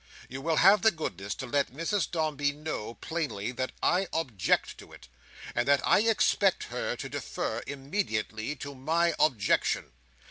You will have the goodness to let Mrs Dombey know, plainly, that I object to it; and that I expect her to defer, immediately, to my objection.